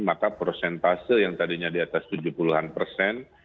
maka prosentase yang tadinya di atas tujuh puluh an persen